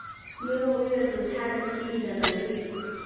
也有阅读他人记忆的能力。